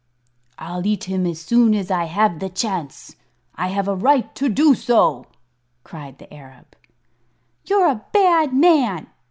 "I'll eat him as soon as I have the chance. I have a right to do so," cried the Arab. "You're a bad man!"